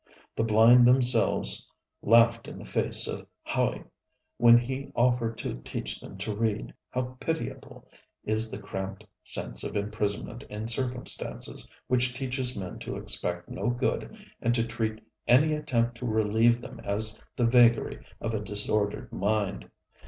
The blind themselves laughed in the face of Ha├╝y when he offered to teach them to read. How pitiable is the cramped sense of imprisonment in circumstances which teaches men to expect no good and to treat any attempt to relieve them as the vagary of a disordered mind!